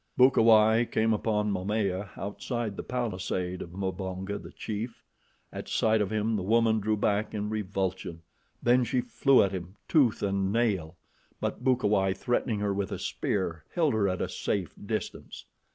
Bukawai came upon Momaya outside the palisade of Mbonga, the chief. At sight of him the woman drew back in revulsion, then she flew at him, tooth and nail; but Bukawai threatening her with a spear held her at a safe distance.